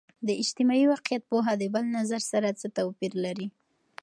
د اجتماعي واقعیت پوهه د بل نظر سره څه توپیر لري؟